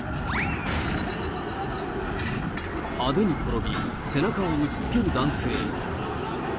派手に転び、背中を打ちつける男性。